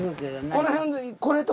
この辺。